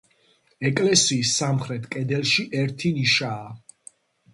ეკლესიის სამხრეთ კედელში ერთი ნიშაა.